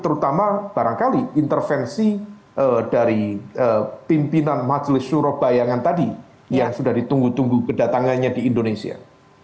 terutama barangkali intervensi dari pimpinan majelis syuroh bayangan tadi yang sudah ditunggu tunggu kedatangannya di indonesia